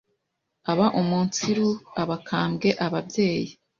abaumunsiru, abakambwe, ababyeyi,